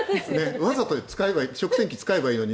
わざと食洗機使えばいいのに。